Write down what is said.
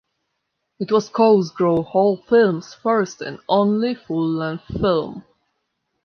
It was Cosgrove Hall Films' first and only full-length film.